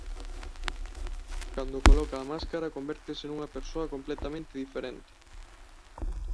Cando coloca a máscara convértese nunha persoa completamente diferente.